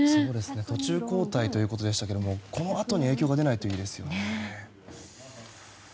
途中交代ということでしたけどこのあとに影響が出ないといいですよね。